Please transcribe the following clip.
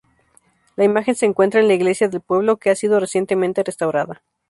La imagen se encuentra en la iglesia del pueblo, que ha sido recientemente restaurada.